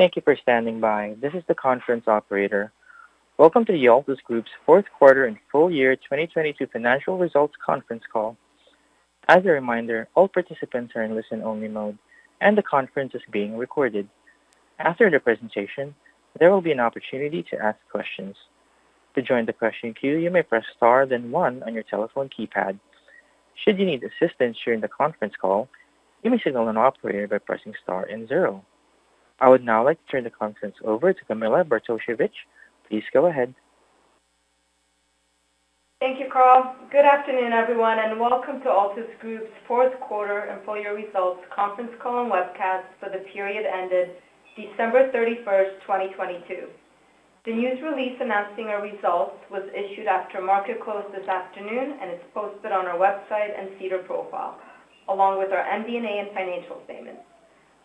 Thank you for standing by. This is the conference operator. Welcome to the Altus Group's fourth quarter and full year 2022 financial results conference call. As a reminder, all participants are in listen-only mode, and the conference is being recorded. After the presentation, there will be an opportunity to ask questions. To join the question queue, you may press star, then one on your telephone keypad. Should you need assistance during the conference call, you may signal an operator by pressing Star and zero. I would now like to turn the conference over to Camilla Bartosiewicz. Please go ahead. Thank you, Carl. Good afternoon, everyone, welcome to Altus Group's fourth quarter and full year results conference call and webcast for the period ended December 31st, 2022. The news release announcing our results was issued after market close this afternoon, is posted on our website and SEDAR profile, along with our MD&A and financial statements.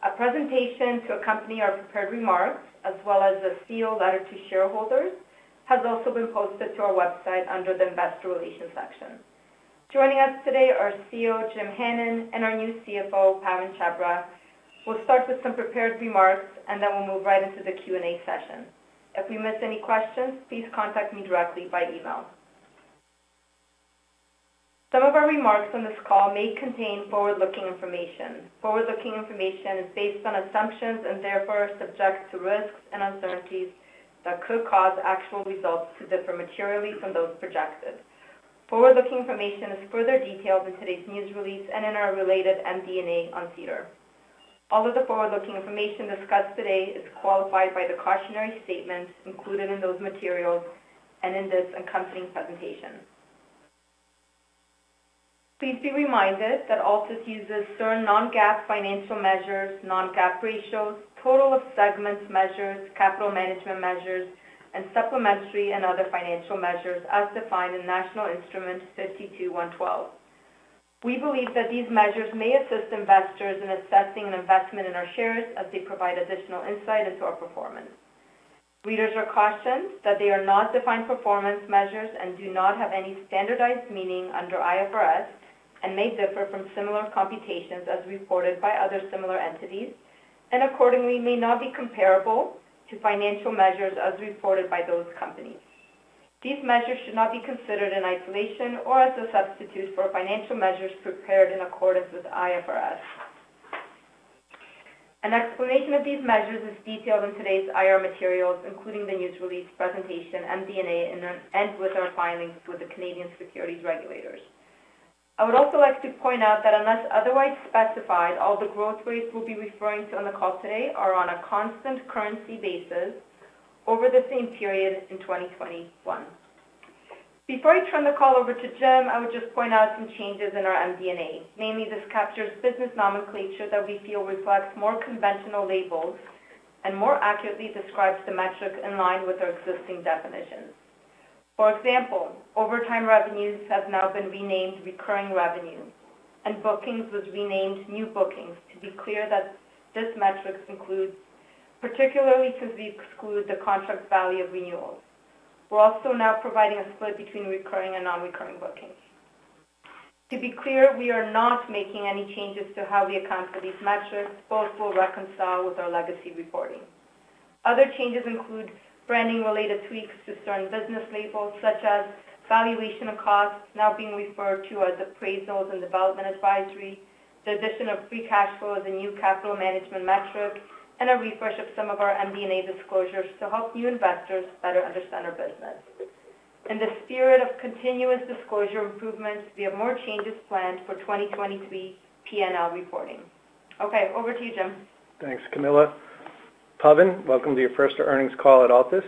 A presentation to accompany our prepared remarks, as well as the CEO Letter to Shareholders, has also been posted to our website under the Investor Relations section. Joining us today are CEO, Jim Hannon, and our new CFO, Pawan Chhabra. We'll start with some prepared remarks, then we'll move right into the Q&A session. If we miss any questions, please contact me directly by email. Some of our remarks on this call may contain forward-looking information. Forward-looking information is based on assumptions and therefore subject to risks and uncertainties that could cause actual results to differ materially from those projected. Forward-looking information is further detailed in today's news release and in our related MD&A on SEDAR. All of the forward-looking information discussed today is qualified by the cautionary statements included in those materials and in this accompanying presentation. Please be reminded that Altus uses certain non-GAAP financial measures, non-GAAP ratios, total of segments measures, capital management measures, and supplementary and other financial measures as defined in National Instrument 52-112. We believe that these measures may assist investors in assessing an investment in our shares as they provide additional insight into our performance. Readers are cautioned that they are not defined performance measures and do not have any standardized meaning under IFRS and may differ from similar computations as reported by other similar entities and accordingly may not be comparable to financial measures as reported by those companies. These measures should not be considered in isolation or as a substitute for financial measures prepared in accordance with IFRS. An explanation of these measures is detailed in today's IR materials, including the news release presentation, MD&A, and with our filings with the Canadian Securities Regulators. I would also like to point out that unless otherwise specified, all the growth rates we'll be referring to on the call today are on a constant currency basis over the same period in 2021. Before I turn the call over to Jim, I would just point out some changes in our MD&A. Mainly, this captures business nomenclature that we feel reflects more conventional labels and more accurately describes the metric in line with our existing definitions. For example, overtime revenues have now been renamed recurring revenue, and bookings was renamed new bookings to be clear that this metrics includes, particularly because we exclude the contract value of renewals. We're also now providing a split between recurring and non-recurring bookings. To be clear, we are not making any changes to how we account for these metrics, both will reconcile with our legacy reporting. Other changes include branding-related tweaks to certain business labels, such as valuation of costs now being referred to as appraisals and development advisory, the addition of free cash flow as a new capital management metric, and a refresh of some of our MD&A disclosures to help new investors better understand our business. In the spirit of continuous disclosure improvements, we have more changes planned for 2023 P&L reporting. Okay, over to you, Jim. Thanks, Camilla. Pawan, welcome to your first earnings call at Altus Group.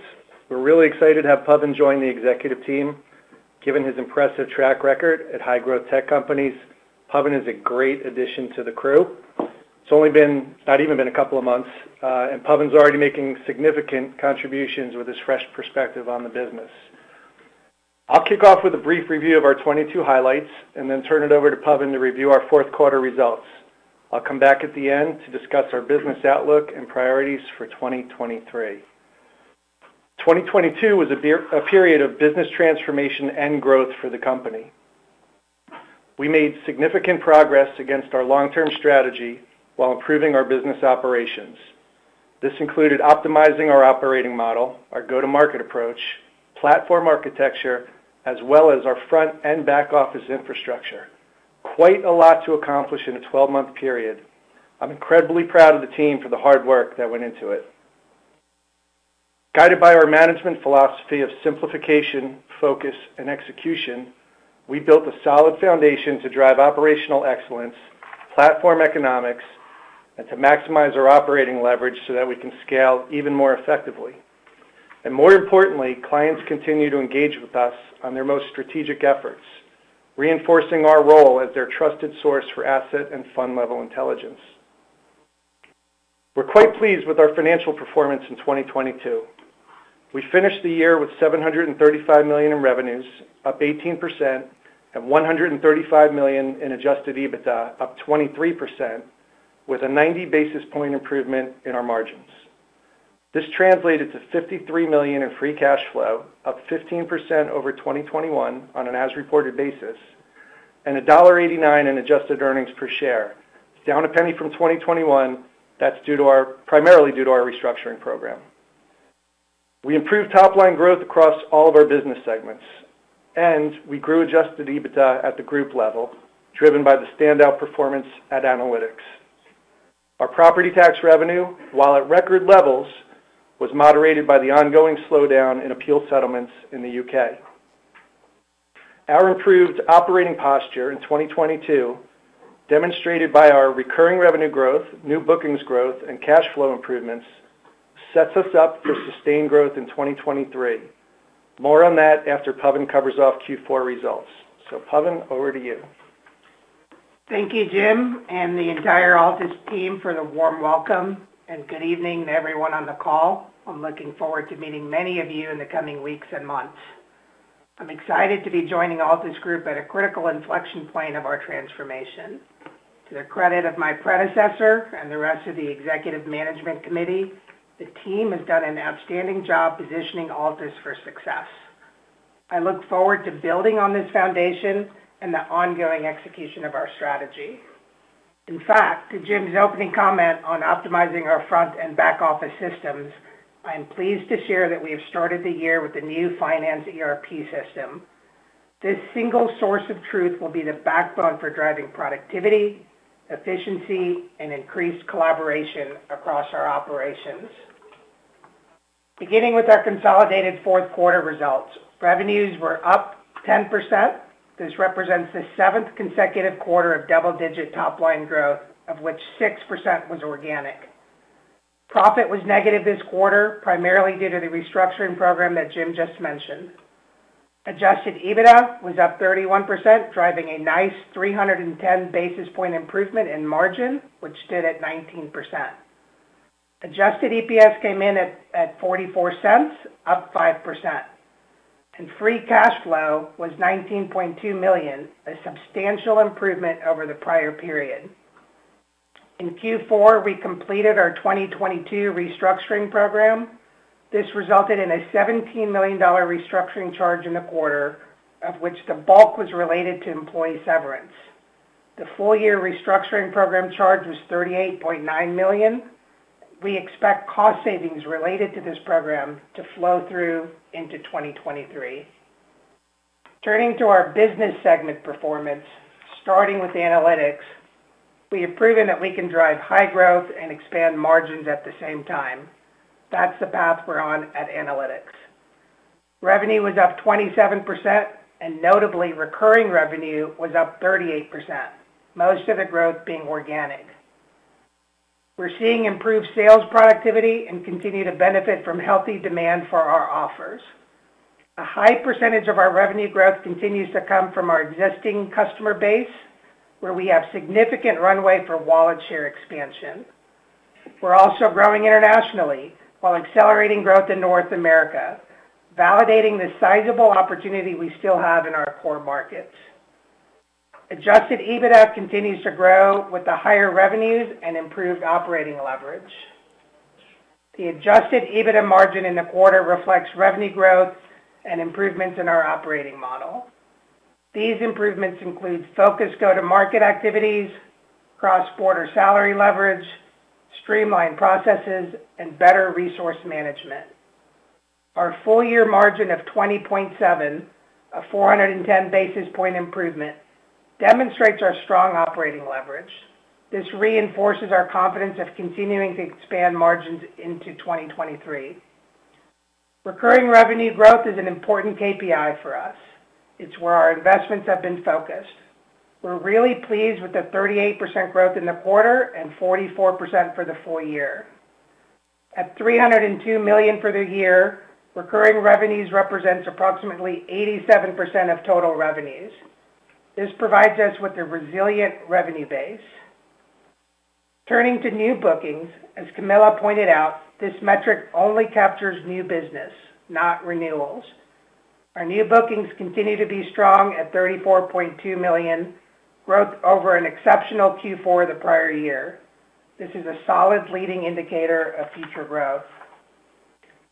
We're really excited to have Pawan join the executive team, given his impressive track record at high-growth tech companies. Pawan is a great addition to the crew. Not even been a couple of months, Pawan is already making significant contributions with his fresh perspective on the business. I'll kick off with a brief review of our 2022 highlights, then turn it over to Pawan to review our fourth quarter results. I'll come back at the end to discuss our business outlook and priorities for 2023. 2022 was a period of business transformation and growth for the company. We made significant progress against our long-term strategy while improving our business operations. This included optimizing our operating model, our go-to-market approach, platform architecture, as well as our front and back office infrastructure. Quite a lot to accomplish in a 12-month period. I'm incredibly proud of the team for the hard work that went into it. Guided by our management philosophy of simplification, focus, and execution, we built a solid foundation to drive operational excellence, platform economics, and to maximize our operating leverage so that we can scale even more effectively. More importantly, clients continue to engage with us on their most strategic efforts, reinforcing our role as their trusted source for asset and fund level intelligence. We're quite pleased with our financial performance in 2022. We finished the year with 735 million in revenues, up 18%, and 135 million in Adjusted EBITDA, up 23%, with a 90 basis point improvement in our margins. This translated to $53 million in free cash flow, up 15% over 2021 on an as-reported basis. $1.89 in adjusted earnings per share, down $0.01 from 2021. That's primarily due to our restructuring program. We improved top-line growth across all of our business segments, and we grew Adjusted EBITDA at the group level, driven by the standout performance at Analytics. Our Property Tax revenue, while at record levels, was moderated by the ongoing slowdown in appeal settlements in the U.K. Our improved operating posture in 2022, demonstrated by our recurring revenue growth, new bookings growth, and cash flow improvements, sets us up for sustained growth in 2023. More on that after Pawan covers off Q4 results. Pawan, over to you. Thank you, Jim, and the entire Altus team for the warm welcome, and good evening to everyone on the call. I'm looking forward to meeting many of you in the coming weeks and months. I'm excited to be joining Altus Group at a critical inflection point of our transformation. To the credit of my predecessor and the rest of the executive management committee, the team has done an outstanding job positioning Altus for success. I look forward to building on this foundation and the ongoing execution of our strategy. In fact, to Jim's opening comment on optimizing our front and back-office systems, I am pleased to share that we have started the year with a new finance ERP system. This single source of truth will be the backbone for driving productivity, efficiency, and increased collaboration across our operations. Beginning with our consolidated fourth quarter results, revenues were up 10%. This represents the seventh consecutive quarter of double-digit top-line growth, of which 6% was organic. Profit was negative this quarter, primarily due to the restructuring program that Jim just mentioned. Adjusted EBITDA was up 31%, driving a nice 310 basis point improvement in margin, which stood at 19%. Adjusted EPS came in at $0.44, up 5%. Free cash flow was $19.2 million, a substantial improvement over the prior period. In Q4, we completed our 2022 restructuring program. This resulted in a $17 million restructuring charge in the quarter, of which the bulk was related to employee severance. The full-year restructuring program charge was $38.9 million. We expect cost savings related to this program to flow through into 2023. Turning to our business segment performance, starting with Analytics, we have proven that we can drive high growth and expand margins at the same time. That's the path we're on at Analytics. Revenue was up 27%. Notably, recurring revenue was up 38%, most of the growth being organic. We're seeing improved sales productivity and continue to benefit from healthy demand for our offers. A high percentage of our revenue growth continues to come from our existing customer base, where we have significant runway for wallet share expansion. We're also growing internationally while accelerating growth in North America, validating the sizable opportunity we still have in our core markets. Adjusted EBITDA continues to grow with the higher revenues and improved operating leverage. The Adjusted EBITDA margin in the quarter reflects revenue growth and improvements in our operating model. These improvements include focused go-to-market activities, cross-border salary leverage, streamlined processes, and better resource management. Our full-year margin of 20.7%, a 410 basis point improvement, demonstrates our strong operating leverage. This reinforces our confidence of continuing to expand margins into 2023. Recurring revenue growth is an important KPI for us. It's where our investments have been focused. We're really pleased with the 38% growth in the quarter and 44% for the full year. At 302 million for the year, recurring revenues represents approximately 87% of total revenues. This provides us with a resilient revenue base. Turning to new bookings, as Camilla pointed out, this metric only captures new business, not renewals. Our new bookings continue to be strong at 34.2 million, growth over an exceptional Q4 the prior year. This is a solid leading indicator of future growth.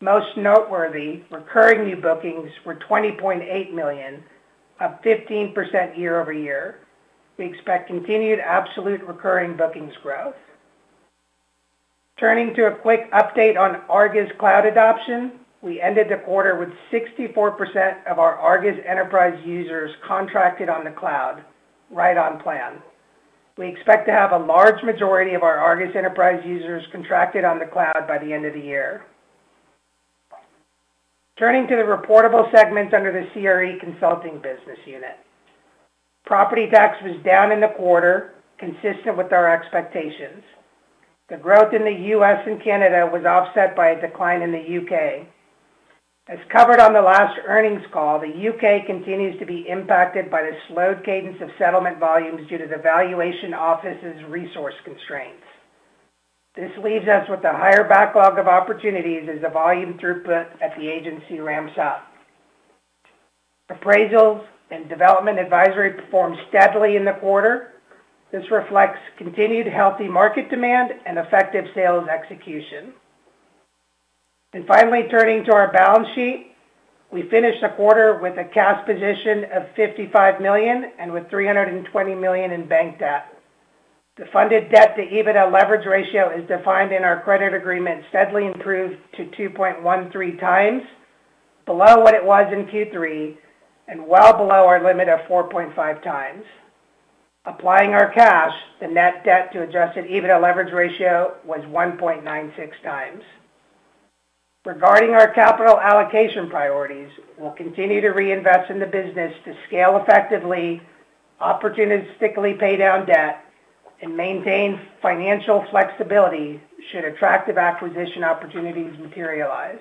Most noteworthy, recurring new bookings were 20.8 million, up 15% year-over-year. We expect continued absolute recurring bookings growth. Turning to a quick update on ARGUS cloud adoption, we ended the quarter with 64% of our ARGUS Enterprise users contracted on the cloud, right on plan. We expect to have a large majority of our ARGUS Enterprise users contracted on the cloud by the end of the year. Turning to the reportable segments under the CRE Consulting business unit. property tax was down in the quarter, consistent with our expectations. The growth in the U.S. and Canada was offset by a decline in the U.K. As covered on the last earnings call, the U.K. continues to be impacted by the slowed cadence of settlement volumes due to the Valuation Office's resource constraints. This leaves us with a higher backlog of opportunities as the volume throughput at the agency ramps up. Appraisals and Development Advisory performed steadily in the quarter. This reflects continued healthy market demand and effective sales execution. Finally, turning to our balance sheet. We finished the quarter with a cash position of 55 million and with 320 million in bank debt. The funded debt to EBITDA leverage ratio is defined in our credit agreement, steadily improved to 2.13 times, below what it was in Q3 and well below our limit of 4.5 times. Applying our cash, the net debt to adjusted EBITDA leverage ratio was 1.96 times. Regarding our capital allocation priorities, we'll continue to reinvest in the business to scale effectively, opportunistically pay down debt, and maintain financial flexibility should attractive acquisition opportunities materialize.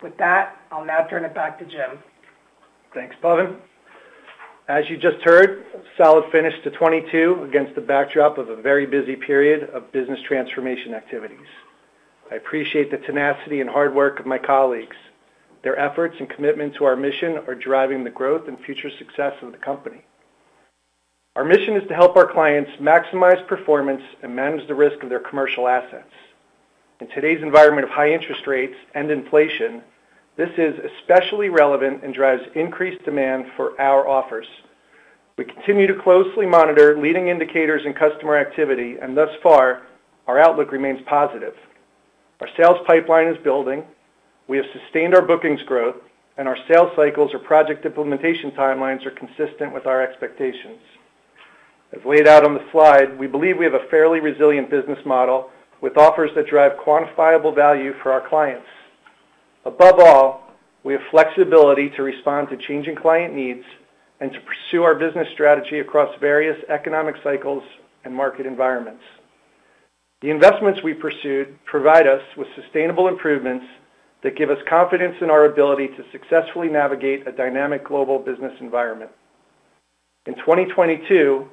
With that, I'll now turn it back to Jim. Thanks, Pawan. As you just heard, solid finish to 2022 against the backdrop of a very busy period of business transformation activities. I appreciate the tenacity and hard work of my colleagues. Their efforts and commitment to our mission are driving the growth and future success of the company. Our mission is to help our clients maximize performance and manage the risk of their commercial assets. In today's environment of high interest rates and inflation, this is especially relevant and drives increased demand for our offers. We continue to closely monitor leading indicators in customer activity, and thus far, our outlook remains positive. Our sales pipeline is building, we have sustained our bookings growth, and our sales cycles or project implementation timelines are consistent with our expectations. As laid out on the slide, we believe we have a fairly resilient business model with offers that drive quantifiable value for our clients. Above all, we have flexibility to respond to changing client needs and to pursue our business strategy across various economic cycles and market environments. The investments we pursued provide us with sustainable improvements that give us confidence in our ability to successfully navigate a dynamic global business environment. In 2022,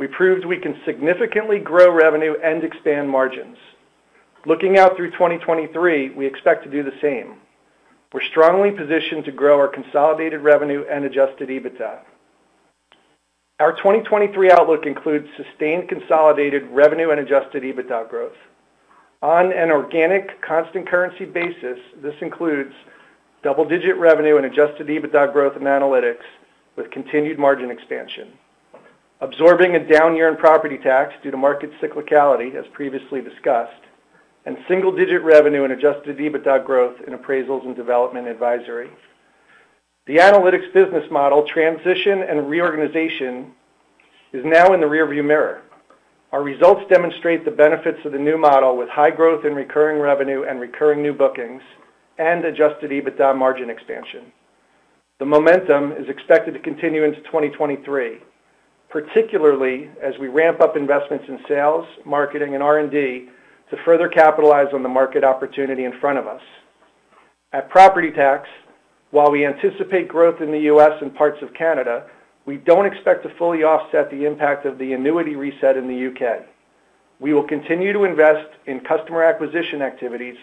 we proved we can significantly grow revenue and expand margins. Looking out through 2023, we expect to do the same. We're strongly positioned to grow our consolidated revenue and Adjusted EBITDA. Our 2023 outlook includes sustained consolidated revenue and Adjusted EBITDA growth. On an organic constant currency basis, this includes double-digit revenue and Adjusted EBITDA growth in analytics with continued margin expansion, absorbing a down year in property tax due to market cyclicality, as previously discussed, and single-digit revenue and Adjusted EBITDA growth in appraisals and development advisory. The analytics business model transition and reorganization is now in the rearview mirror. Our results demonstrate the benefits of the new model with high growth in recurring revenue and recurring new bookings and Adjusted EBITDA margin expansion. The momentum is expected to continue into 2023, particularly as we ramp up investments in sales, marketing, and R&D to further capitalize on the market opportunity in front of us. At property tax, while we anticipate growth in the U.S. and parts of Canada, we don't expect to fully offset the impact of the annuity reset in the U.K. We will continue to invest in customer acquisition activities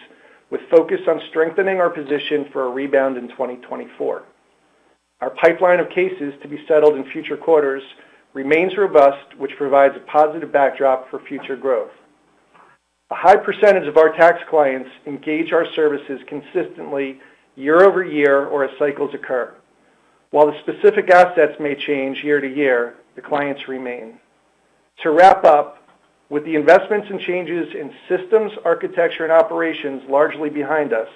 with focus on strengthening our position for a rebound in 2024. Our pipeline of cases to be settled in future quarters remains robust, which provides a positive backdrop for future growth. A high percentage of our tax clients engage our services consistently year over year or as cycles occur. While the specific assets may change year to year, the clients remain. To wrap up, with the investments and changes in systems, architecture, and operations largely behind us,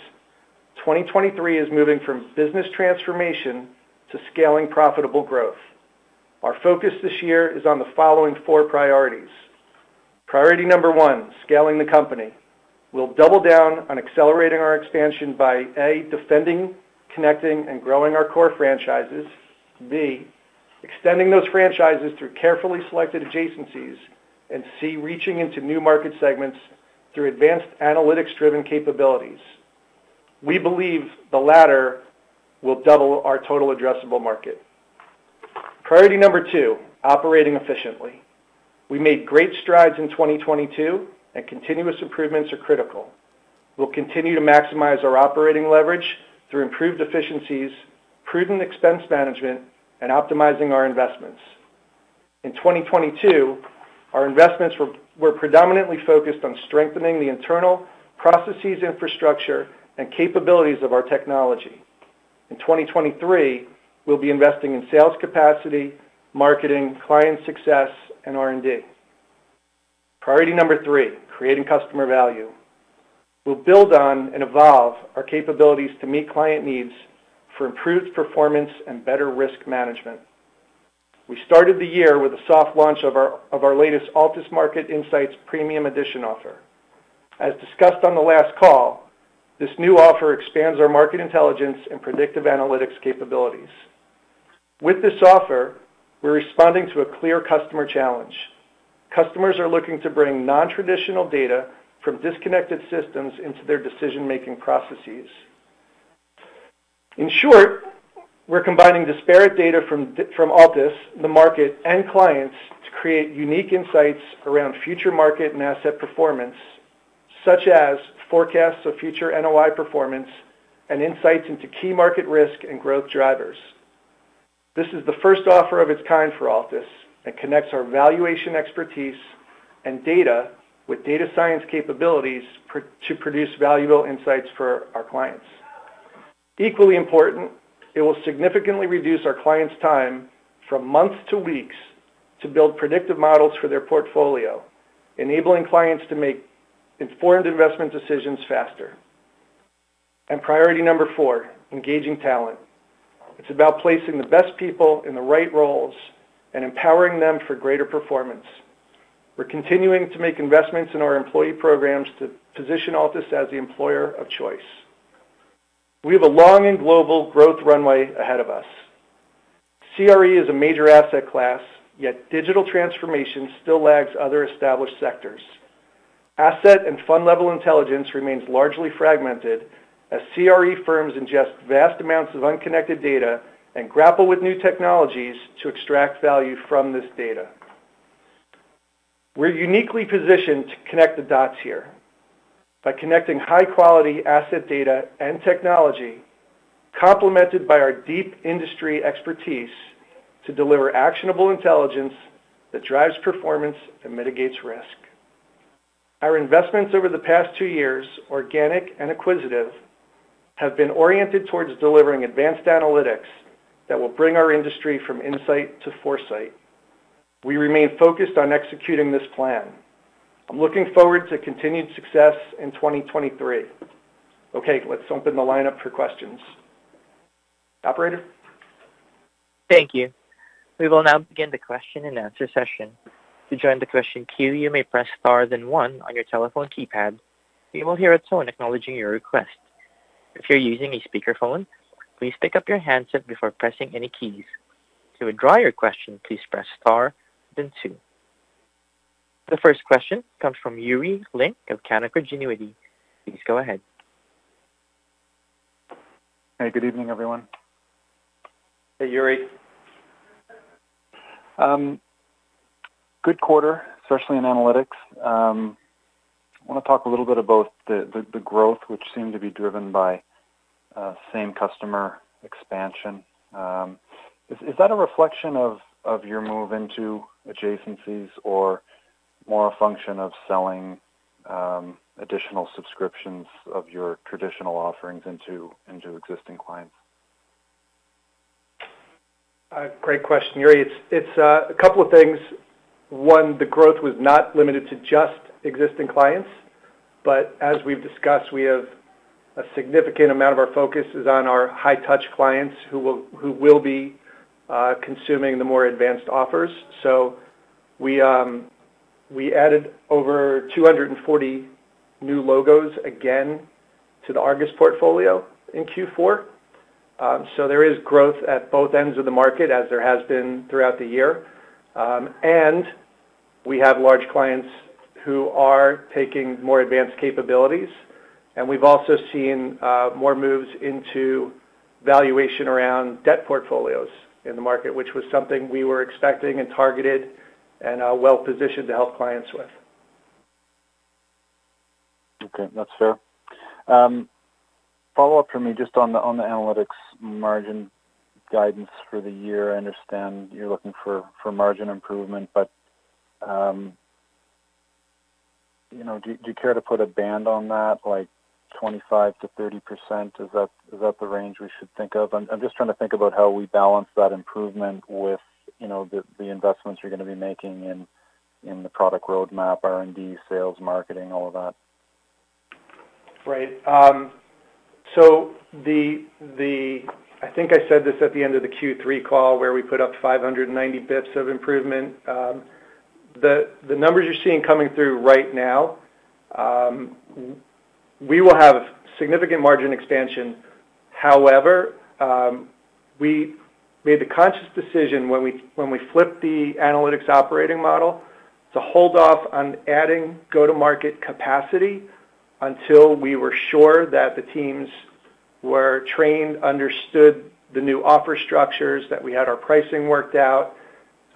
2023 is moving from business transformation to scaling profitable growth. Our focus this year is on the following four priorities. Priority number one, scaling the company. We'll double down on accelerating our expansion by, A, defending, connecting, and growing our core franchises, B, extending those franchises through carefully selected adjacencies, and C, reaching into new market segments through advanced analytics-driven capabilities. We believe the latter will double our total addressable market. Priority number two, operating efficiently. We made great strides in 2022. Continuous improvements are critical. We'll continue to maximize our operating leverage through improved efficiencies, prudent expense management, and optimizing our investments. In 2022, our investments were predominantly focused on strengthening the internal processes, infrastructure, and capabilities of our technology. In 2023, we'll be investing in sales capacity, marketing, client success, and R&D. Priority number three, creating customer value. We'll build on and evolve our capabilities to meet client needs for improved performance and better risk management. We started the year with a soft launch of our latest Altus Market Insights premium edition offer. As discussed on the last call, this new offer expands our market intelligence and predictive analytics capabilities. With this offer, we're responding to a clear customer challenge. Customers are looking to bring non-traditional data from disconnected systems into their decision-making processes. In short, we're combining disparate data from Altus, the market, and clients to create unique insights around future market and asset performance, such as forecasts of future NOI performance and insights into key market risk and growth drivers. This is the first offer of its kind for Altus that connects our valuation expertise and data with data science capabilities to produce valuable insights for our clients. Equally important, it will significantly reduce our clients' time from months to weeks to build predictive models for their portfolio, enabling clients to make informed investment decisions faster. Priority number four, engaging talent. It's about placing the best people in the right roles and empowering them for greater performance. We're continuing to make investments in our employee programs to position Altus as the employer of choice. We have a long and global growth runway ahead of us. CRE is a major asset class, yet digital transformation still lags other established sectors. Asset and fund level intelligence remains largely fragmented as CRE firms ingest vast amounts of unconnected data and grapple with new technologies to extract value from this data. We're uniquely positioned to connect the dots here by connecting high-quality asset data and technology, complemented by our deep industry expertise to deliver actionable intelligence that drives performance and mitigates risk. Our investments over the past two years, organic and acquisitive, have been oriented towards delivering advanced analytics that will bring our industry from insight to foresight. We remain focused on executing this plan. I'm looking forward to continued success in 2023. Let's open the line up for questions. Operator? Thank you. We will now begin the question-and-answer session. To join the question queue, you may press Star then One on your telephone keypad. You will hear a tone acknowledging your request. If you're using a speakerphone, please pick up your handset before pressing any keys. To withdraw your question, please press Star then Two. The first question comes from Yuri Lynk of Canaccord Genuity. Please go ahead. Hey, good evening, everyone. Hey, Yuri. Good quarter, especially in analytics. I want to talk a little bit about the growth which seemed to be driven by same customer expansion. Is that a reflection of your move into adjacencies or more a function of selling additional subscriptions of your traditional offerings into existing clients? Great question, Yuri. It's a couple of things. One, the growth was not limited to just existing clients, but as we've discussed, we have a significant amount of our focus is on our high touch clients who will be consuming the more advanced offers. We added over 240 new logos again to the ARGUS portfolio in Q4. There is growth at both ends of the market as there has been throughout the year. We have large clients who are taking more advanced capabilities, and we've also seen more moves into valuation around debt portfolios in the market, which was something we were expecting and targeted and are well-positioned to help clients with. Okay, that's fair. Follow-up for me just on the analytics margin guidance for the year. I understand you're looking for margin improvement, you know, do you care to put a band on that, like 25%-30%? Is that the range we should think of? I'm just trying to think about how we balance that improvement with, you know, the investments you're gonna be making in the product roadmap, R&D, sales, marketing, all of that. Right. I think I said this at the end of the Q3 call where we put up 590 basis points of improvement. The numbers you're seeing coming through right now, we will have significant margin expansion. However, we made the conscious decision when we flipped the analytics operating model to hold off on adding go-to-market capacity until we were sure that the teams were trained, understood the new offer structures, that we had our pricing worked out,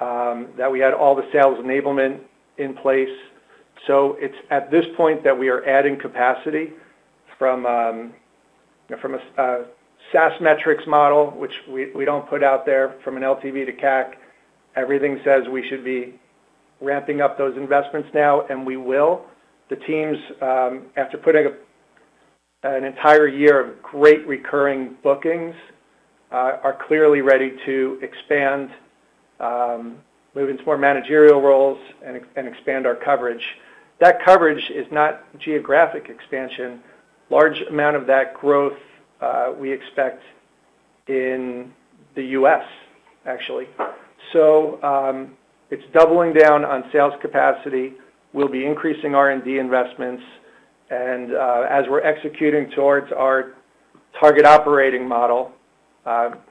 that we had all the sales enablement in place. It's at this point that we are adding capacity from a SaaS metrics model, which we don't put out there from an LTV to CAC. Everything says we should be ramping up those investments now, and we will. The teams, after putting a, an entire year of great recurring bookings, are clearly ready to expand, move into more managerial roles and expand our coverage. That coverage is not geographic expansion. Large amount of that growth, we expect in the U.S., actually. It's doubling down on sales capacity. We'll be increasing R&D investments and, as we're executing towards our target operating model,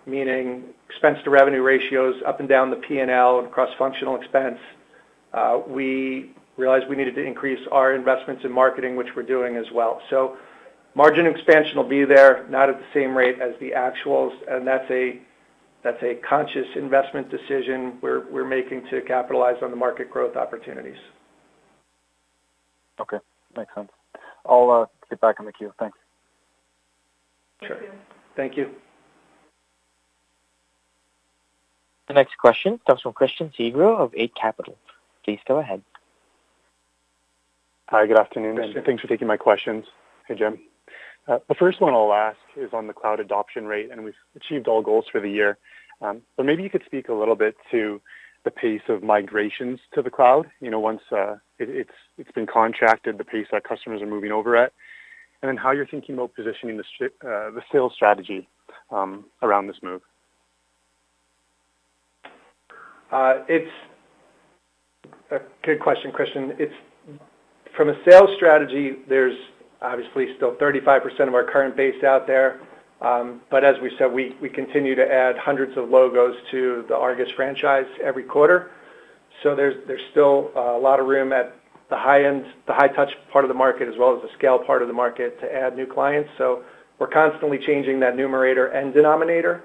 meaning expense to revenue ratios up and down the P&L and cross-functional expense, we realized we needed to increase our investments in marketing, which we're doing as well. Margin expansion will be there, not at the same rate as the actuals, and that's a, that's a conscious investment decision we're making to capitalize on the market growth opportunities. Okay, makes sense. I'll get back in the queue. Thanks. Sure. Thank you. Thank you. The next question comes from Christian Sgro of Eight Capital. Please go ahead. Hi, good afternoon. Good afternoon. Thanks for taking my questions. Hey, Jim. The first one I'll ask is on the cloud adoption rate. We've achieved all goals for the year. Maybe you could speak a little bit to the pace of migrations to the cloud, you know, once it's been contracted, the pace that customers are moving over at. How you're thinking about positioning the sales strategy around this move? It's a good question, Christian. From a sales strategy, there's obviously still 35% of our current base out there. As we said, we continue to add hundreds of logos to the ARGUS franchise every quarter. There's still a lot of room at the high end, the high touch part of the market, as well as the scale part of the market to add new clients. We're constantly changing that numerator and denominator.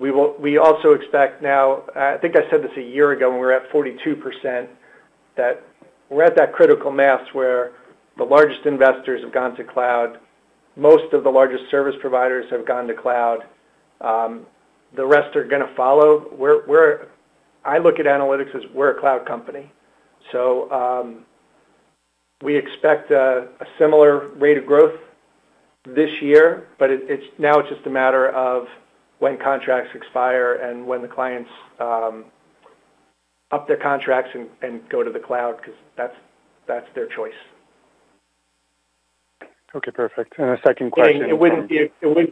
We also expect now, I think I said this a year ago when we were at 42%, that we're at that critical mass where the largest investors have gone to cloud. Most of the largest service providers have gone to cloud. The rest are gonna follow. I look at analytics as we're a cloud company. We expect a similar rate of growth this year, but it's just a matter of when contracts expire and when the clients up their contracts and go to the cloud because that's their choice. Okay, perfect. A second question... It wouldn't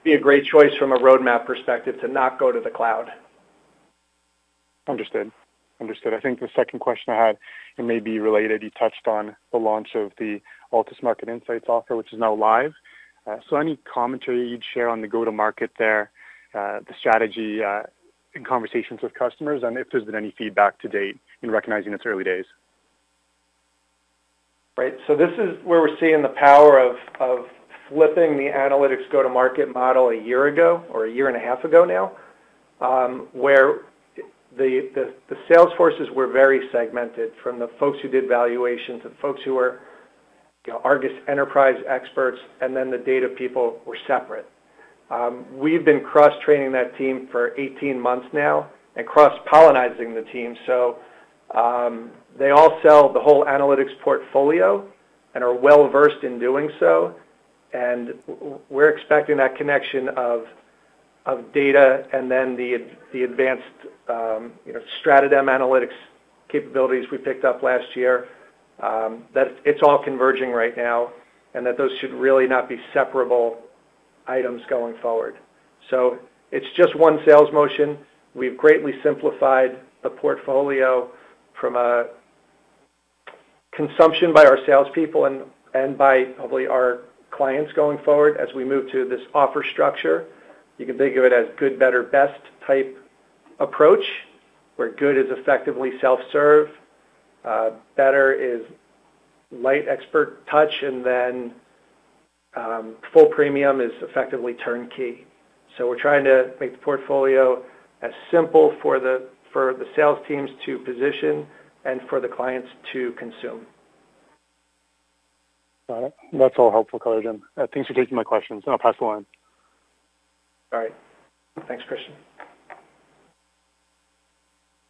be a great choice from a roadmap perspective to not go to the cloud. Understood. Understood. I think the second question I had, it may be related. You touched on the launch of the Altus Market Insights offer, which is now live. Any commentary you'd share on the go-to-market there, the strategy, in conversations with customers, and if there's been any feedback to date in recognizing its early days? This is where we're seeing the power of flipping the analytics go-to-market model one year ago or 1.5 years ago now, where the sales forces were very segmented from the folks who did valuations to folks who were, you know, ARGUS Enterprise experts, and then the data people were separate. We've been cross-training that team for 18 months now and cross-pollinating the team. They all sell the whole analytics portfolio and are well-versed in doing so. And we're expecting that connection of data and then the advanced, you know, StratoDem Analytics capabilities we picked up last year, that it's all converging right now and that those should really not be separable items going forward. It's just one sales motion. We've greatly simplified the portfolio from a consumption by our salespeople and by probably our clients going forward as we move to this offer structure. You can think of it as good, better, best type approach, where good is effectively self-serve, better is light expert touch, and then full premium is effectively turnkey. We're trying to make the portfolio as simple for the sales teams to position and for the clients to consume. Got it. That's all helpful color, Jim. Thanks for taking my questions. I'll pass the line. All right. Thanks, Christian.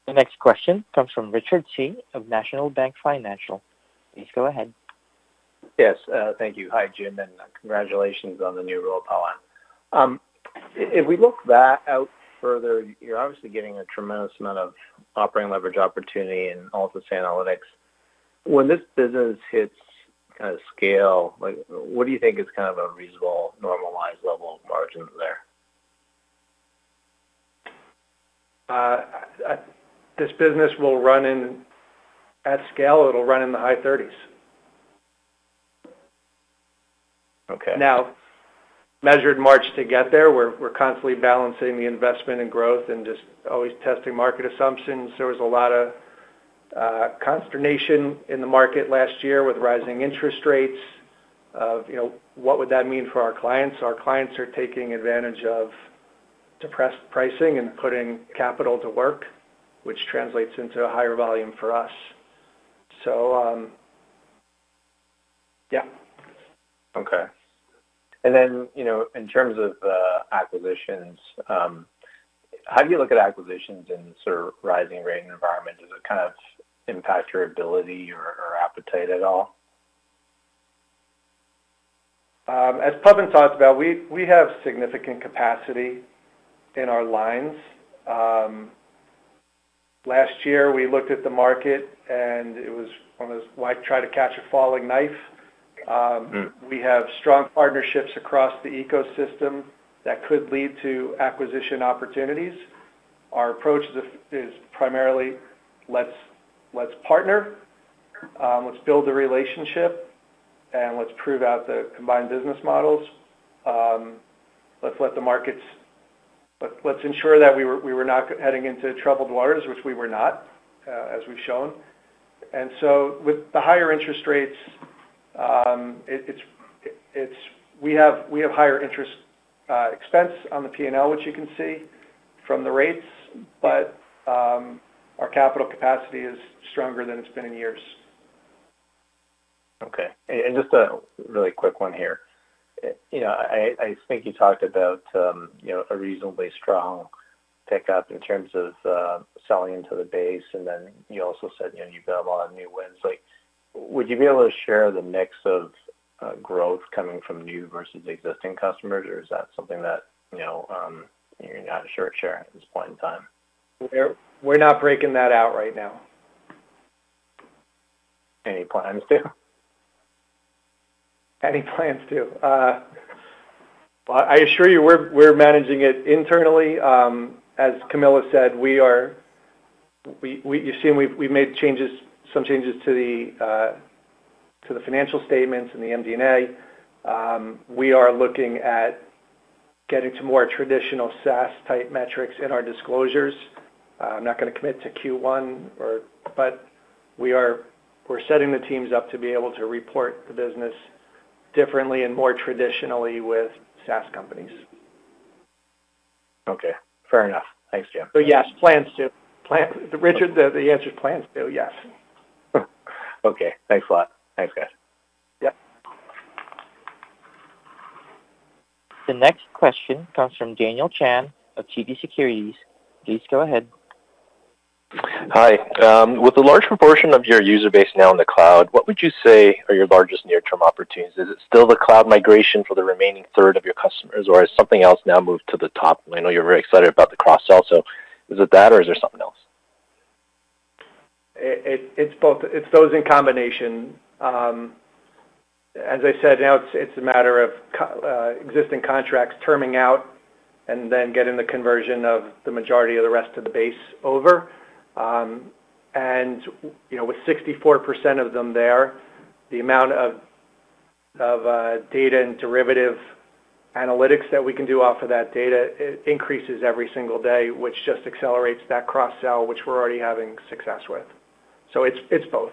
The next question comes from Richard Tse of National Bank Financial. Please go ahead. Yes. Thank you. Hi, Jim, congratulations on the new role, Pawan. If we look back out further, you're obviously getting a tremendous amount of operating leverage opportunity in Altus Analytics. When this business hits kind of scale, like, what do you think is kind of a reasonable normalized level of margins there? This business will run at scale, it'll run in the high 30s. Okay. Measured march to get there. We're constantly balancing the investment in growth and just always testing market assumptions. There was a lot of consternation in the market last year with rising interest rates of, you know, what would that mean for our clients? Our clients are taking advantage of depressed pricing and putting capital to work, which translates into a higher volume for us. Yeah. Okay. you know, in terms of acquisitions, how do you look at acquisitions in sort of rising rate environment? Does it kind of impact your ability or appetite at all? As Pawan talked about, we have significant capacity in our lines. Last year, we looked at the market, it was one of those, why try to catch a falling knife? Mm. We have strong partnerships across the ecosystem that could lead to acquisition opportunities. Our approach is primarily, let's partner, let's build the relationship, and let's prove out the combined business models. Let's let the markets, let's ensure that we were not heading into troubled waters, which we were not, as we've shown. With the higher interest rates, it's, we have higher interest expense on the P&L, which you can see from the rates, but our capital capacity is stronger than it's been in years. Okay. Just a really quick one here. You know, I think you talked about, you know, a reasonably strong pickup in terms of selling into the base, and then you also said, you know, you've got a lot of new wins. Like, would you be able to share the mix of growth coming from new versus existing customers? Or is that something that, you know, you're not sure to share at this point in time? We're not breaking that out right now. Any plans to? Any plans to? Well, I assure you we're managing it internally. As Camilla said, we are. You've seen we've made some changes to the financial statements in the MD&A. We are looking at getting to more traditional SaaS-type metrics in our disclosures. I'm not gonna commit to Q1 or... We're setting the teams up to be able to report the business differently and more traditionally with SaaS companies. Okay. Fair enough. Thanks, Jim. Yes. Plans to. Richard, the answer is plans to, yes. Okay. Thanks a lot. Thanks, guys. Yeah. The next question comes from Daniel Chan of TD Securities. Please go ahead. Hi. With a large proportion of your user base now in the cloud, what would you say are your largest near-term opportunities? Is it still the cloud migration for the remaining third of your customers, or has something else now moved to the top? I know you're very excited about the cross-sell, so is it that or is there something else? It's both. It's those in combination. As I said, now it's a matter of existing contracts terming out and then getting the conversion of the majority of the rest of the base over. You know, with 64% of them there, the amount of data and derivative analytics that we can do off of that data increases every single day, which just accelerates that cross-sell, which we're already having success with. It's both.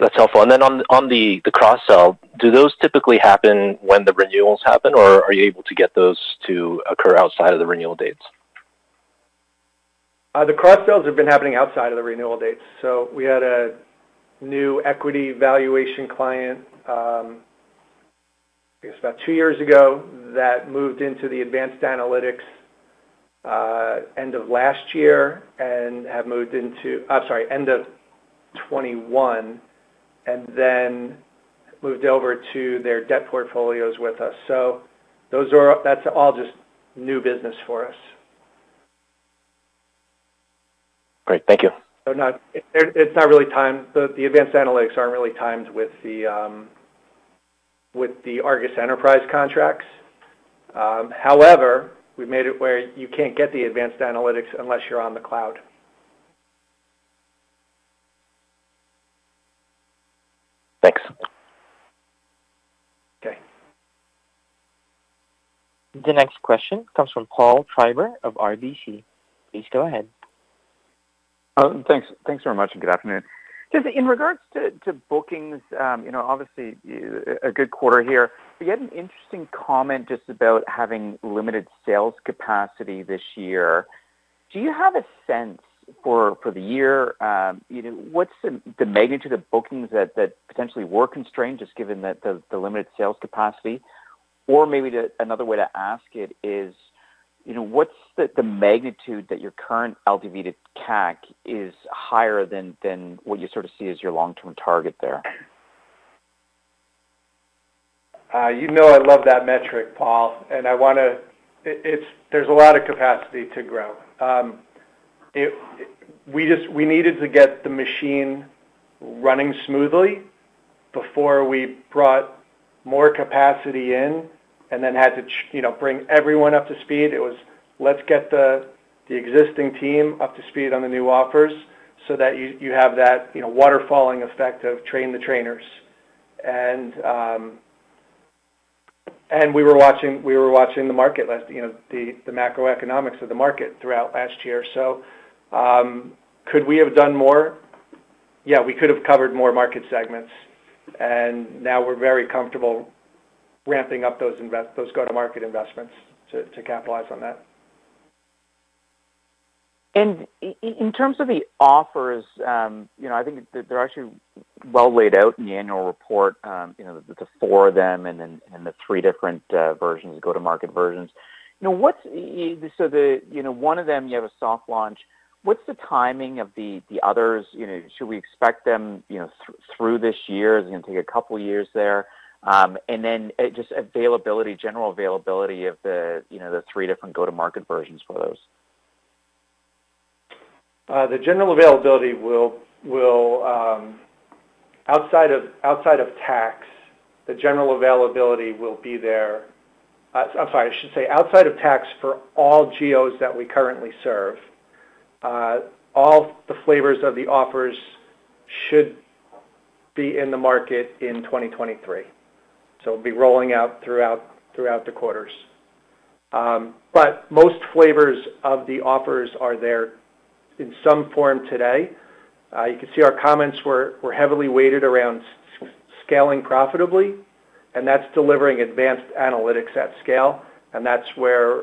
That's helpful. On the cross-sell, do those typically happen when the renewals happen, or are you able to get those to occur outside of the renewal dates? The cross-sells have been happening outside of the renewal dates. We had a new equity valuation client, I guess about two years ago, that moved into the advanced analytics, end of last year. I'm sorry, end of 2021, moved over to their debt portfolios with us. That's all just new business for us. Great. Thank you. It's not really timed. The advanced analytics aren't really timed with the ARGUS Enterprise contracts. However, we made it where you can't get the advanced analytics unless you're on the cloud. Thanks. Okay. The next question comes from Paul Treiber of RBC. Please go ahead. Thanks very much. Good afternoon. Just in regards to bookings, you know, obviously a good quarter here. You had an interesting comment just about having limited sales capacity this year. Do you have a sense for the year, you know, what's the magnitude of bookings that potentially were constrained, just given the limited sales capacity? Or maybe another way to ask it is, you know, what's the magnitude that your current LTV to CAC is higher than what you sort of see as your long-term target there? You know I love that metric, Paul, and I wanna. It's there's a lot of capacity to grow. We just needed to get the machine running smoothly before we brought more capacity in and then had to, you know, bring everyone up to speed. It was, let's get the existing team up to speed on the new offers so that you have that, you know, waterfalling effect of train the trainers. We were watching the market last, you know, the macroeconomics of the market throughout last year. Could we have done more? Yeah, we could have covered more market segments, and now we're very comfortable ramping up those go-to-market investments to capitalize on that. In terms of the offers, you know, I think they're actually well laid out in the annual report, you know, the four of them and the three different versions, go-to-market versions. The, you know, one of them you have a soft launch. What's the timing of the others? You know, should we expect them, you know, through this year? Is it gonna take two years there? Just availability, general availability of the, you know, the three different go-to-market versions for those. The general availability will, outside of tax, the general availability will be there. I'm sorry, I should say outside of tax for all geos that we currently serve, all the flavors of the offers should be in the market in 2023. It'll be rolling out throughout the quarters. Most flavors of the offers are there in some form today. You can see our comments were heavily weighted around scaling profitably, that's delivering advanced analytics at scale. That's where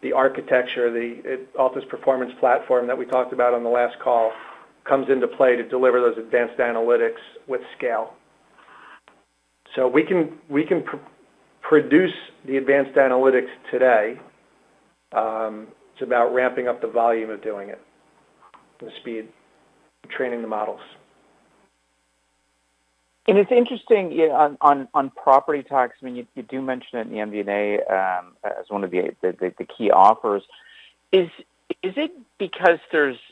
the architecture, the Altus performance platform that we talked about on the last call comes into play to deliver those advanced analytics with scale. We can produce the advanced analytics today. It's about ramping up the volume of doing it, the speed, training the models. It's interesting, yeah, on Property Tax. I mean, you do mention it in the MD&A as one of the key offers. Is it because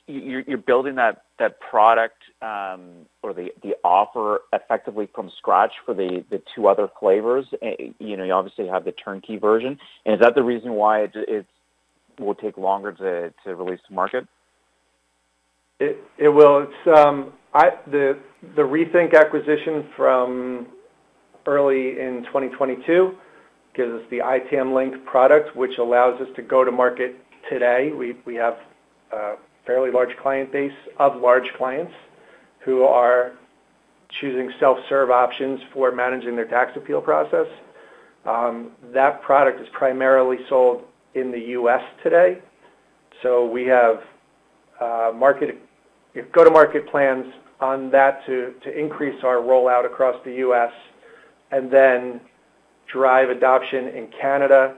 you're building that product or the offer effectively from scratch for the two other flavors? You know, you obviously have the turnkey version. Is that the reason why it will take longer to release to market? It will. It's the Rethink acquisition from early in 2022 gives us the itamlink product, which allows us to go to market today. We have a fairly large client base of large clients who are choosing self-serve options for managing their tax appeal process. That product is primarily sold in the U.S. today. We have go-to-market plans on that to increase our rollout across the U.S. and then drive adoption in Canada.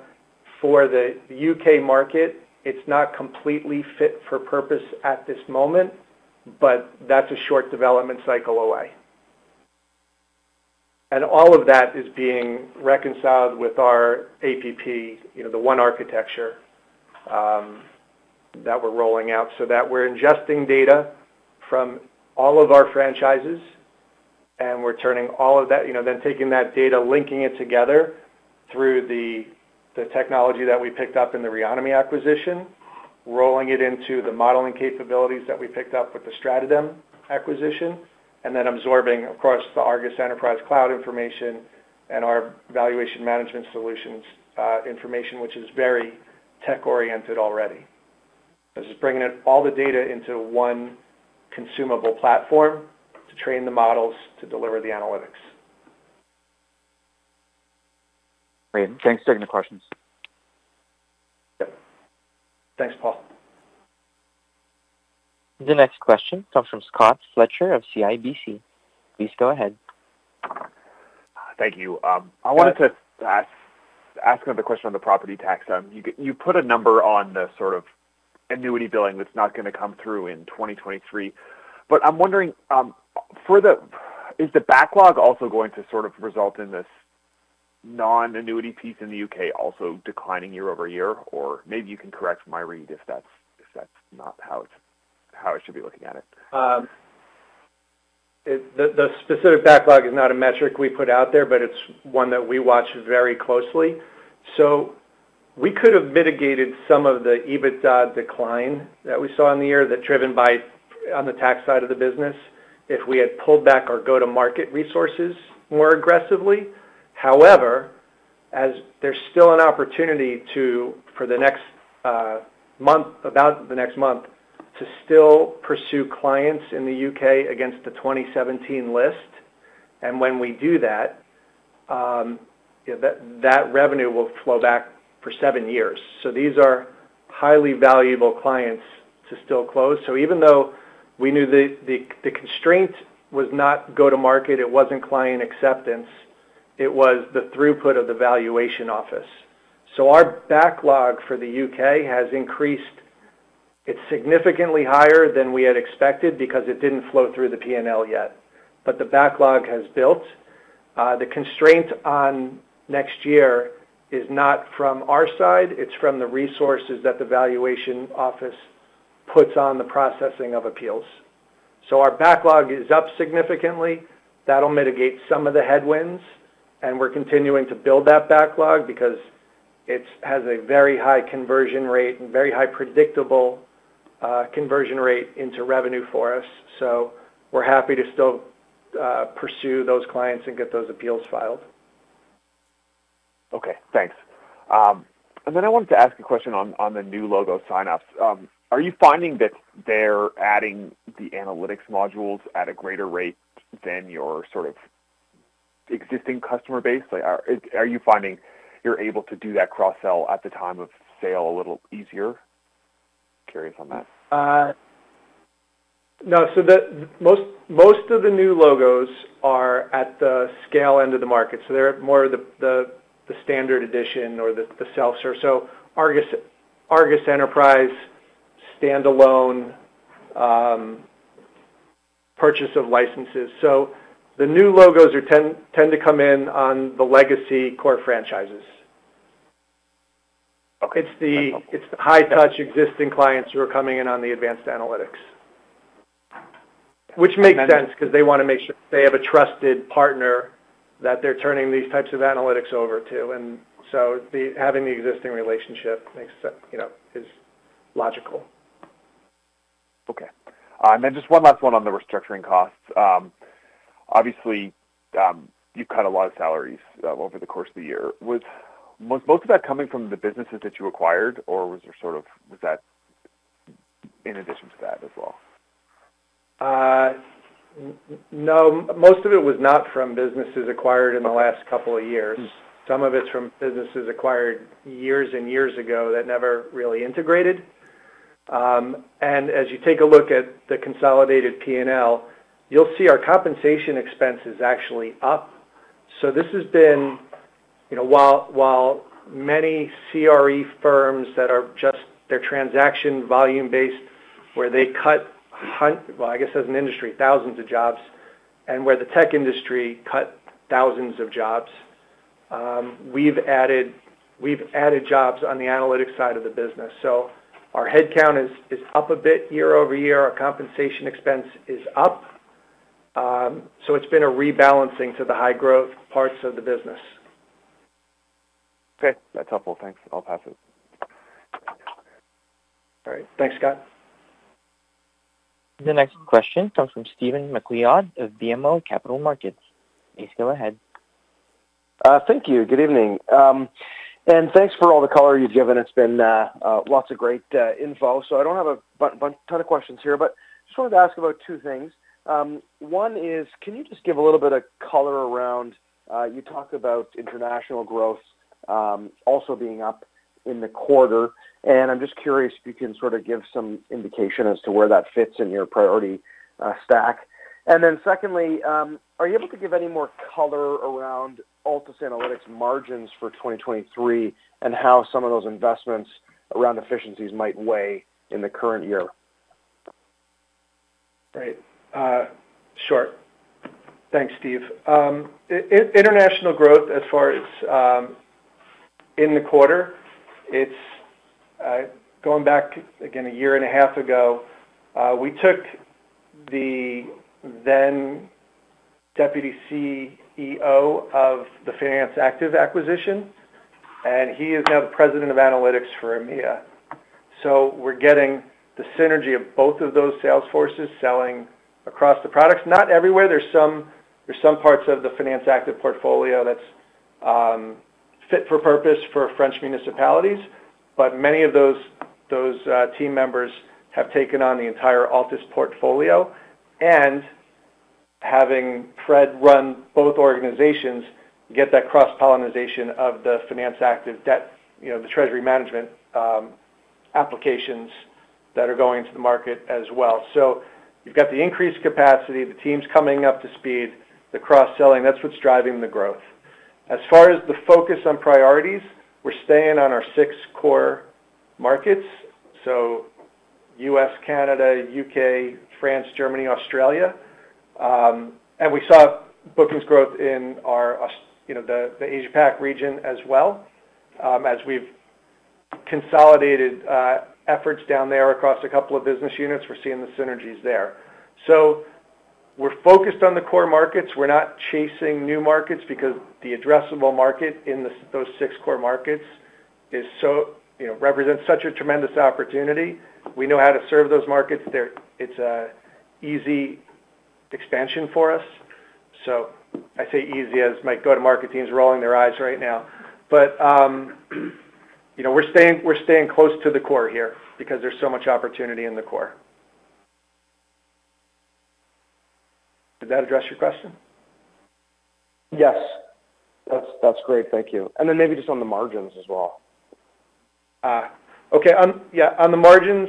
The U.K. market, it's not completely fit for purpose at this moment, but that's a short development cycle away. All of that is being reconciled with our APP, you know, the one architecture, that we're rolling out, so that we're ingesting data from all of our franchises, and we're turning all of that, you know, then taking that data, linking it together through the technology that we picked up in the Reonomy acquisition, rolling it into the modeling capabilities that we picked up with the StratoDem Analytics acquisition, and then absorbing, of course, the ARGUS Enterprise Cloud information and our Valuation Management Solutions information, which is very tech-oriented already. This is bringing in all the data into one consumable platform to train the models to deliver the analytics. Great. Thanks for taking the questions. Yep. Thanks, Paul. The next question comes from Scott Fletcher of CIBC. Please go ahead. Thank you. I wanted to ask another question on the property tax. you put a number on the sort of annuity billing that's not gonna come through in 2023. I'm wondering, is the backlog also going to sort of result in this non-annuity piece in the U.K. also declining year-over-year? Maybe you can correct my read if that's, if that's not how I should be looking at it. The specific backlog is not a metric we put out there, but it's one that we watch very closely. We could have mitigated some of the EBITDA decline that we saw in the year that driven by on the tax side of the business if we had pulled back our go-to-market resources more aggressively. As there's still an opportunity to, for the next month, to still pursue clients in the U.K. against the 2017 list. When we do that, you know, that revenue will flow back for seven years. These are highly valuable clients to still close. Even though we knew the constraint was not go to market, it wasn't client acceptance, it was the throughput of the Valuation Office. Our backlog for the U.K. has increased. It's significantly higher than we had expected because it didn't flow through the P&L yet. The backlog has built. The constraint on next year is not from our side, it's from the resources that the Valuation Office puts on the processing of appeals. Our backlog is up significantly. That'll mitigate some of the headwinds, and we're continuing to build that backlog because it has a very high conversion rate and very high predictable conversion rate into revenue for us. We're happy to still pursue those clients and get those appeals filed. Okay, thanks. I wanted to ask a question on the new logo sign-ups. Are you finding that they're adding the analytics modules at a greater rate than your sort of existing customer base? Like, are you finding you're able to do that cross-sell at the time of sale a little easier? Curious on that. No. The most of the new logos are at the scale end of the market, so they're more the standard edition or the self-serve. ARGUS Enterprise standalone, purchase of licenses. The new logos tend to come in on the legacy core franchises. Okay. It's the- Yeah. It's the high touch existing clients who are coming in on the advanced analytics. Which makes sense because they want to make sure they have a trusted partner that they're turning these types of analytics over to. Having the existing relationship makes sense, you know, is logical. Okay. Just one last one on the restructuring costs. Obviously, you've cut a lot of salaries over the course of the year. Was most of that coming from the businesses that you acquired? Was that in addition to that as well? No, most of it was not from businesses acquired in the last couple of years. Mm. Some of it's from businesses acquired years and years ago that never really integrated. As you take a look at the consolidated P&L, you'll see our compensation expense is actually up. This has been, you know, while many CRE firms that are just transaction volume-based, where they cut well, I guess, as an industry, thousands of jobs, and where the tech industry cut thousands of jobs, we've added jobs on the analytics side of the business. Our headcount is up a bit year-over-year. Our compensation expense is up. It's been a rebalancing to the high-growth parts of the business. Okay. That's helpful. Thanks. I'll pass it. All right. Thanks, Scott. The next question comes from Stephen MacLeod of BMO Capital Markets. Please go ahead. Thank you. Good evening. Thanks for all the color you've given. It's been lots of great info. I don't have a ton of questions here, but just wanted to ask about two things. One is, can you just give a little bit of color around, you talked about international growth, also being up in the quarter, and I'm just curious if you can sort of give some indication as to where that fits in your priority stack. Secondly, are you able to give any more color around Altus Analytics margins for 2023 and how some of those investments around efficiencies might weigh in the current year? Right. Sure. Thanks, Steve. International growth as far as, in the quarter, it's going back, again, a year and a half ago, we took the then deputy CEO of the Finance Active acquisition, and he is now the president of analytics for EMEA. We're getting the synergy of both of those sales forces selling across the products. Not everywhere. There's some, there's some parts of the Finance Active portfolio that's fit for purpose for French municipalities, but many of those team members have taken on the entire Altus portfolio. Having Fred run both organizations get that cross-pollinization of the Finance Active debt, you know, the treasury management applications that are going to the market as well. You've got the increased capacity, the teams coming up to speed, the cross-selling. That's what's driving the growth. As far as the focus on priorities, we're staying on our six core markets, so U.S., Canada, U.K., France, Germany, Australia. We saw bookings growth in our you know, the Asia Pac region as well. We've consolidated efforts down there across a couple of business units, we're seeing the synergies there. We're focused on the core markets. We're not chasing new markets because the addressable market in those six core markets is so, you know, represents such a tremendous opportunity. We know how to serve those markets. It's a easy expansion for us. I say easy as my go-to-market team is rolling their eyes right now. You know, we're staying close to the core here because there's so much opportunity in the core. Did that address your question? Yes. That's great. Thank you. Then maybe just on the margins as well. Okay. Yeah, on the margins,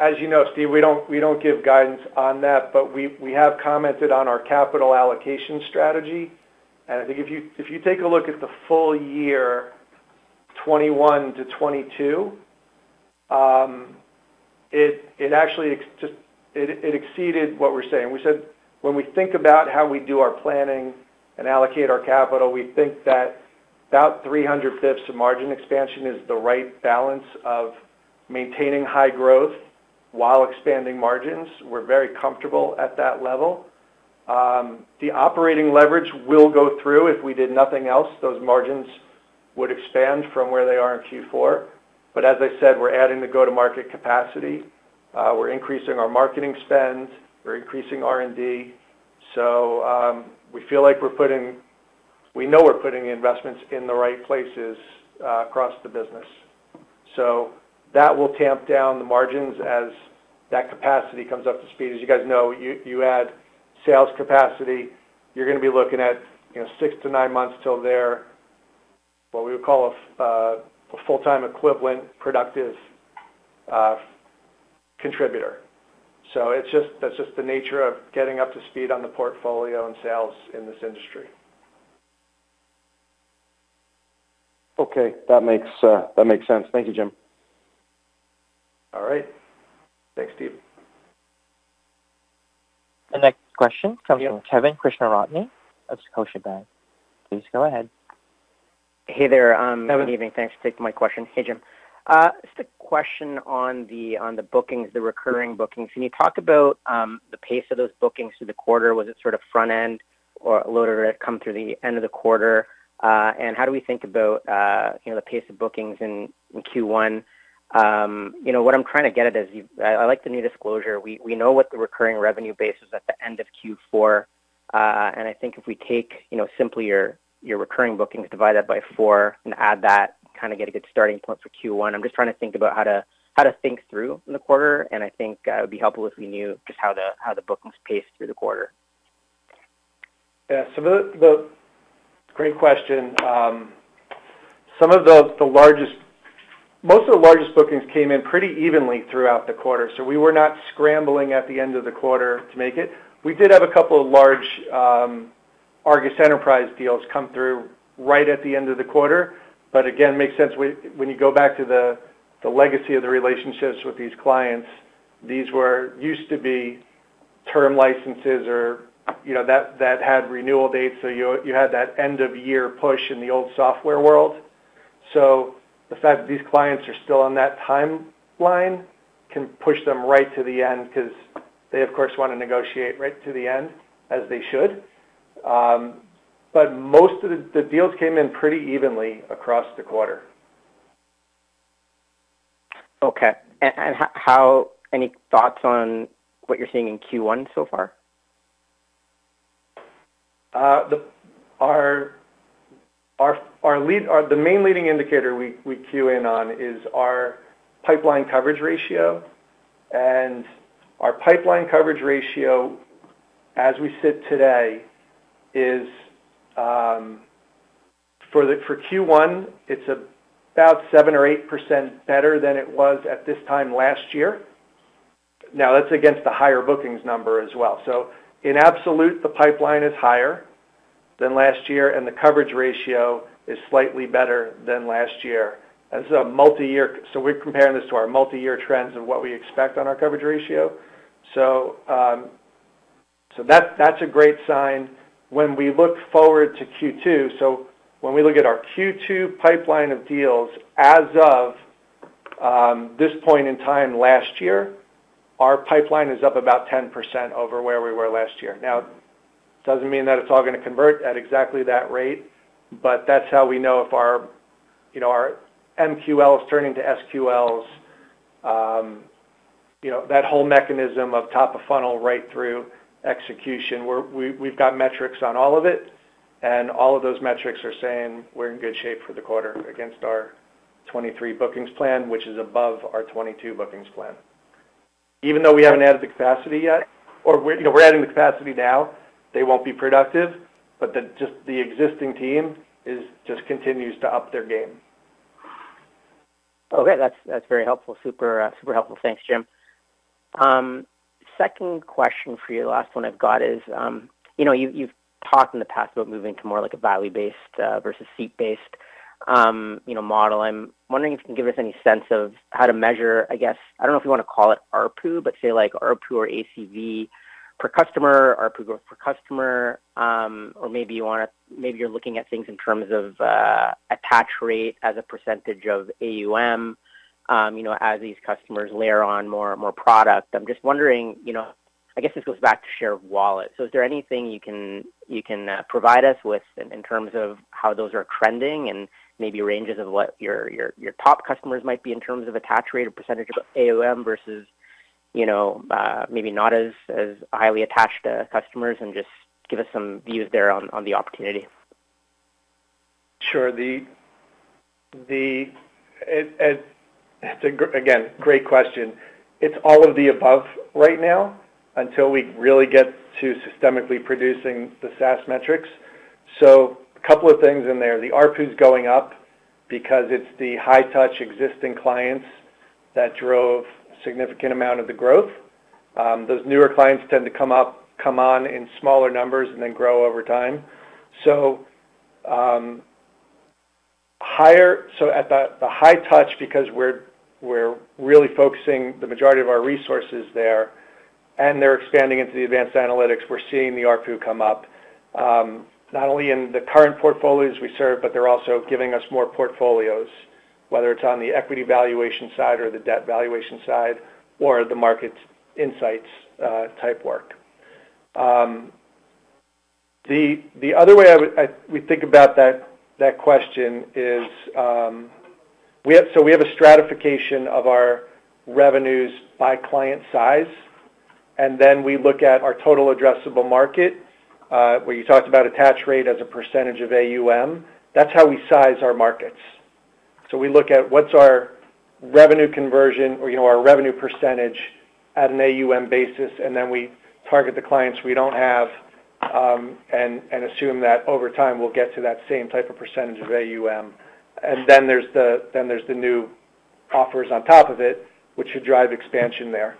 As you know, Steve, we don't give guidance on that, but we have commented on our capital allocation strategy. I think if you take a look at the full year 2021 to 2022, it actually exceeded what we're saying. We said when we think about how we do our planning and allocate our capital, we think that about three hundred fifths of margin expansion is the right balance of maintaining high growth while expanding margins. We're very comfortable at that level. The operating leverage will go through. If we did nothing else, those margins would expand from where they are in Q4. As I said, we're adding the go-to-market capacity. We're increasing our marketing spend. We're increasing R&D. We feel like we know we're putting the investments in the right places across the business. That will tamp down the margins as that capacity comes up to speed. As you guys know, you add sales capacity, you're gonna be looking at, you know, 6-9 months till they're what we would call a full-time equivalent productive contributor. That's just the nature of getting up to speed on the portfolio and sales in this industry. Okay. That makes that makes sense. Thank you, Jim. All right. Thanks, Steve. The next question comes from Kevin Krishnaratne of Scotiabank. Please go ahead. Hey there. Good evening. Thanks for taking my question. Hey, Jim. Just a question on the bookings, the recurring bookings. Can you talk about the pace of those bookings through the quarter? Was it sort of front-end. Or a load order come through the end of the quarter? How do we think about, you know, the pace of bookings in Q1? You know, what I'm trying to get at is I like the new disclosure. We know what the recurring revenue base is at the end of Q4. I think if we take, you know, simply your recurring bookings, divide that by four and add that, kinda get a good starting point for Q1. I'm just trying to think about how to think through in the quarter, and I think it would be helpful if we knew just how the bookings paced through the quarter. Yeah. The great question. Some of the largest bookings came in pretty evenly throughout the quarter, we were not scrambling at the end of the quarter to make it. We did have a couple of large ARGUS Enterprise deals come through right at the end of the quarter. Again, makes sense when you go back to the legacy of the relationships with these clients. These were used to be term licenses or, you know, that had renewal dates. You had that end of year push in the old software world. The fact that these clients are still on that timeline can push them right to the end 'cause they, of course, wanna negotiate right to the end, as they should. Most of the deals came in pretty evenly across the quarter. Okay. Any thoughts on what you're seeing in Q1 so far? The main leading indicator we cue in on is our pipeline coverage ratio. Our pipeline coverage ratio, as we sit today, is for Q1, it's about 7% or 8% better than it was at this time last year. Now that's against the higher bookings number as well. In absolute, the pipeline is higher than last year, and the coverage ratio is slightly better than last year. This is a multi-year, we're comparing this to our multi-year trends and what we expect on our coverage ratio. That's a great sign. When we look forward to Q2, when we look at our Q2 pipeline of deals as of this point in time last year, our pipeline is up about 10% over where we were last year. Now, doesn't mean that it's all gonna convert at exactly that rate, but that's how we know if our, you know, our MQL is turning to SQLs. You know, that whole mechanism of top of funnel right through execution, we've got metrics on all of it, and all of those metrics are saying we're in good shape for the quarter against our 2023 bookings plan, which is above our 2022 bookings plan. Even though we haven't added the capacity yet, or we're, you know, we're adding the capacity now, they won't be productive, but just the existing team just continues to up their game. Okay. That's, that's very helpful. Super, super helpful. Thanks, Jim. Second question for you, the last one I've got is, you know, you've talked in the past about moving to more like a value-based versus seat-based, you know, model. I'm wondering if you can give us any sense of how to measure, I guess, I don't know if you wanna call it ARPU, but say like ARPU or ACV per customer, ARPU growth per customer, or maybe you're looking at things in terms of attach rate as a percentage of AUM, you know, as these customers layer on more, more product. I'm just wondering, you know. I guess this goes back to share of wallet. Is there anything you can provide us with in terms of how those are trending and maybe ranges of what your top customers might be in terms of attach rate or percentage of AUM versus, you know, maybe not as highly attached customers, and just give us some views there on the opportunity? Sure. That's again, great question. It's all of the above right now until we really get to systemically producing the SaaS metrics. A couple of things in there. The ARPU is going up because it's the high-touch existing clients that drove a significant amount of the growth. Those newer clients tend to come up, come on in smaller numbers and then grow over time. At the high touch because we're really focusing the majority of our resources there, and they're expanding into the advanced analytics. We're seeing the ARPU come up, not only in the current portfolios we serve, but they're also giving us more portfolios, whether it's on the equity valuation side or the debt valuation side or the Market Insights type work. The other way we think about that question is, we have a stratification of our revenues by client size, and then we look at our total addressable market. Where you talked about attach rate as a percentage of AUM, that's how we size our markets. We look at what's our revenue conversion or, you know, our revenue percentage at an AUM basis, and then we target the clients we don't have, and assume that over time we'll get to that same type of percentage of AUM. There's the new offers on top of it, which should drive expansion there.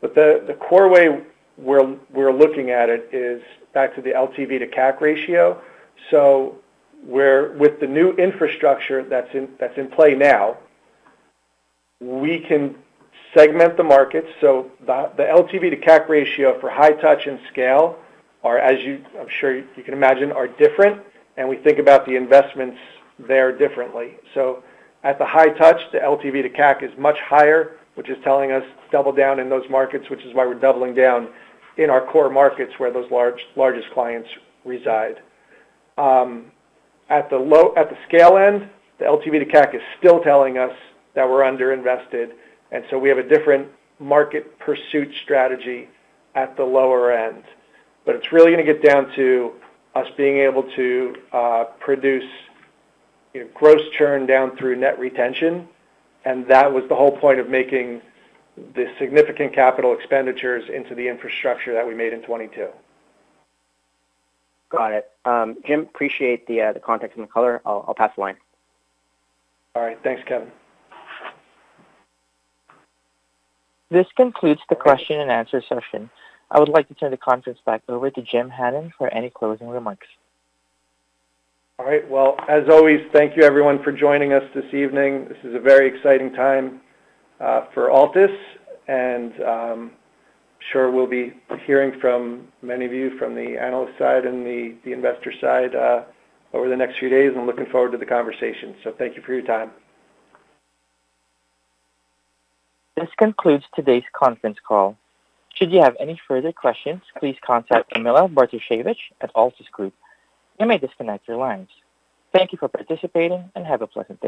The core way we're looking at it is back to the LTV to CAC ratio. Where with the new infrastructure that's in play now, we can segment the markets. The LTV to CAC ratio for high touch and scale are, as I'm sure you can imagine, are different, and we think about the investments there differently. At the high touch, the LTV to CAC is much higher, which is telling us double down in those markets, which is why we're doubling down in our core markets where those largest clients reside. At the scale end, the LTV to CAC is still telling us that we're underinvested, we have a different market pursuit strategy at the lower end. It's really gonna get down to us being able to produce, you know, gross churn down through net retention, and that was the whole point of making the significant capital expenditures into the infrastructure that we made in 2022. Got it. Jim, appreciate the context and the color. I'll pass the line. All right. Thanks, Kevin. This concludes the question and answer session. I would like to turn the conference back over to Jim Hannon for any closing remarks. All right. Well, as always, thank you everyone for joining us this evening. This is a very exciting time for Altus, and I'm sure we'll be hearing from many of you from the analyst side and the investor side over the next few days. I'm looking forward to the conversation. Thank you for your time. This concludes today's conference call. Should you have any further questions, please contact Camilla Bartosiewicz at Altus Group. You may disconnect your lines. Thank you for participating, and have a pleasant day.